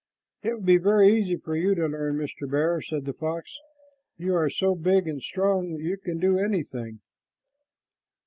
"It would be very easy for you to learn, Mr. Bear," said the fox. "You are so big and strong that you can do anything."